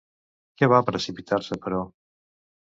Què va precipitar-se, però?